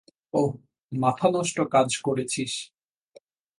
ওহ, মাথানষ্ট কাজ করেছিস।